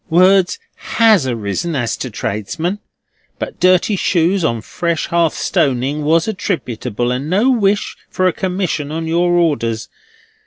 Words has arisen as to tradesmen, but dirty shoes on fresh hearth stoning was attributable, and no wish for a commission on your orders.